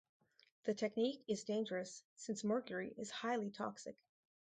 The technique is dangerous since mercury is highly toxic.